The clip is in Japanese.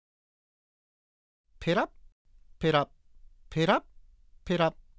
ペラッペラッペラッペラッ。